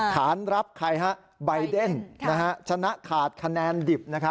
ฐานรับใครฮะใบเดนชนะขาดคะแนนดิบ